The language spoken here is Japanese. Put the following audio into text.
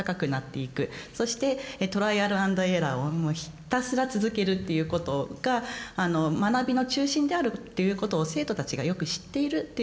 そしてトライアルアンドエラーをもうひたすら続けるっていうことが学びの中心であるということを生徒たちがよく知っているということ